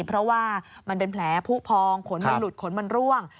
เพราะว่ามันเป็นแผลผู้พองขนมันหลุดขนมันร่วง